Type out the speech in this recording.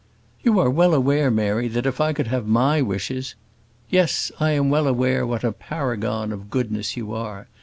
"You are well aware, Mary, that if I could have my wishes " "Yes: I am well aware what a paragon of goodness you are.